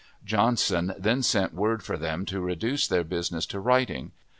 Johnson then sent word for them to reduce their business to writing.